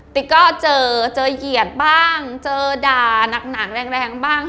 ติ๊กก็เจอเจอเหยียดบ้างเจอด่านักหนังแรงบ้าง